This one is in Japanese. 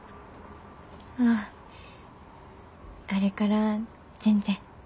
あああれから全然。